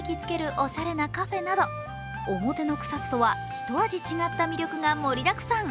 おしゃれなカフェなど表の草津とは、一味違った魅力が盛りだくさん。